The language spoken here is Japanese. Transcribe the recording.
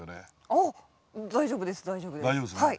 あ大丈夫です大丈夫です。